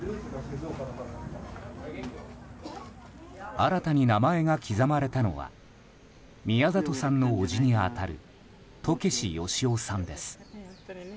新たに名前が刻まれたのは宮里さんの叔父に当たる渡慶次芳雄さんです。